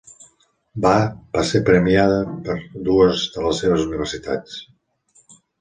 Bath va ser premiada per dues de les seves universitats.